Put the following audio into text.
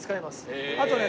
あとね